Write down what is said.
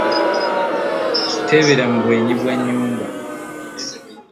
Tebeera mu bwenyi bwa nyumba .